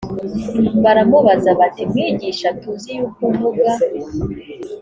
baramubaza bati mwigisha tuzi yuko uvuga